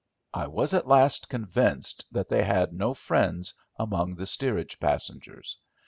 I was at last convinced that they had no friends among the steerage passengers.